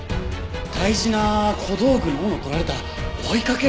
大事な小道具の斧を取られたら追いかける。